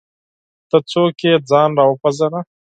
ته څوک یې ؟ ځان راوپېژنه!